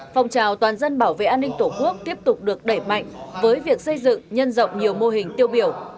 phòng trào toàn dân bảo vệ an ninh tổ quốc tiếp tục được đẩy mạnh với việc xây dựng nhân rộng nhiều mô hình tiêu biểu